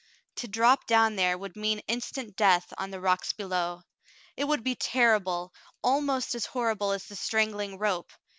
To drop down there would mean instant death on the rocks below. It would be terrible — almost as horrible as the strangling rope.